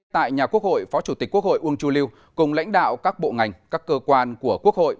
tại nhà quốc hội phó chủ tịch quốc hội uông chu lưu cùng lãnh đạo các bộ ngành các cơ quan của quốc hội